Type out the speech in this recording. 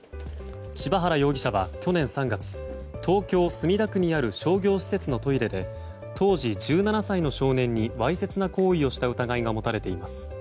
柴原容疑者は去年３月東京・墨田区にある商業施設のトイレで当時１７歳の少年にわいせつな行為をした疑いが持たれています。